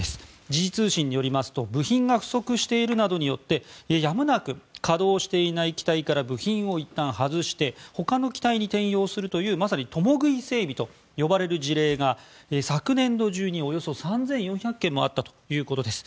時事通信によりますと部品が不足しているなどによってやむなく稼動していない機体から部品をいったん外してほかの機体に転用するというまさに共食い整備と呼ばれる事例が昨年度中におよそ３４００件もあったということです。